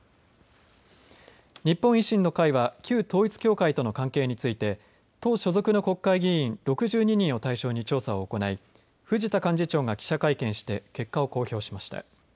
日本維新の会は旧統一教会との関係について党所属の国会議員６２人を対象に調査を行い藤田幹事長が記者会見して結果を公表しました。